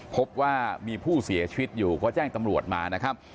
พบว่ามีผู้เสียชีวิตอยู่ก็แจ้งตำรวจมานะครับ